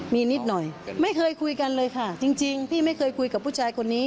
มีนิดหน่อยไม่เคยคุยกันเลยค่ะจริงพี่ไม่เคยคุยกับผู้ชายคนนี้